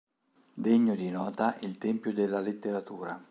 Degno di nota il Tempio della Letteratura.